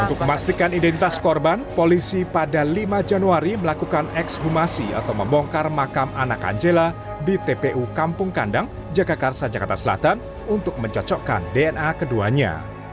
untuk memastikan identitas korban polisi pada lima januari melakukan ekshumasi atau membongkar makam anak angela di tpu kampung kandang jagakarsa jakarta selatan untuk mencocokkan dna keduanya